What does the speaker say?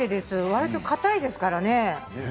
わりと、かたいですからね。